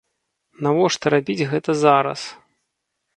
Навошта рабіць гэта зараз?